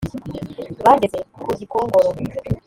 Bageze ku Gikongoro